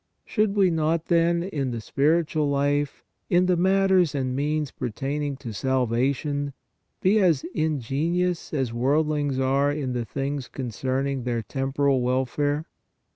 Should we not, then, in the spiritual life, in the matters and means pertaining to salvation, be as ingenious as worldlings are in the things concerning their tem poral welfare?